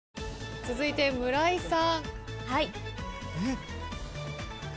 続いて迫田さん。